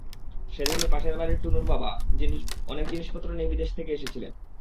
সেদিনই পাশের বাড়ির টুনুর বাবা অনেক জিনিসপত্র নিয়ে বিদেশ থেকে এসেছিলেন।